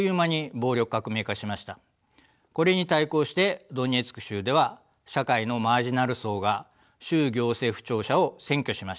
これに対抗してドネツク州では社会のマージナル層が州行政府庁舎を占拠しました。